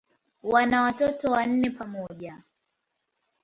Wana watoto wanne pamoja.